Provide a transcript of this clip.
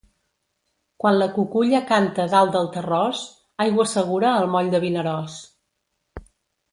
Quan la cuculla canta dalt del terròs, aigua segura al moll de Vinaròs.